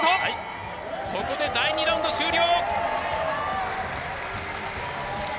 ここで第２ラウンド終了。